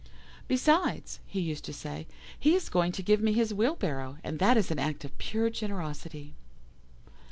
'Besides,' he used to say, 'he is going to give me his wheelbarrow, and that is an act of pure generosity.